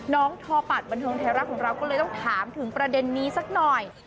ทอปัดบันเทิงไทยรัฐของเราก็เลยต้องถามถึงประเด็นนี้สักหน่อย